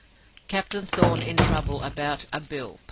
CAPTAIN THORN IN TROUBLE ABOUT "A BILL."